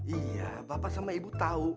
iya bapak sama ibu tahu